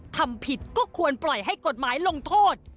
ทำผิดก็ควรปล่อยให้กฎหมายลงโทษ